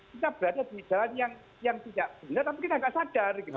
kita berada di jalan yang tidak benar tapi kita nggak sadar gitu